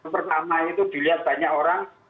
pertama itu dilihat banyak orang